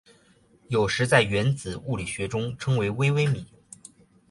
有时在原子物理学中称为微微米。